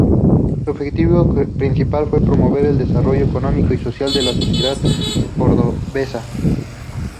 Su objetivo principal fue promover el desarrollo económico y social de la sociedad cordobesa.